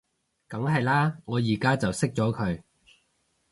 梗係喇，我而家就熄咗佢